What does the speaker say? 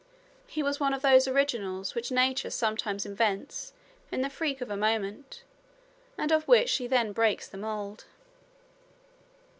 He was one of those originals which nature sometimes invents in the freak of a moment, and of which she then breaks the mould.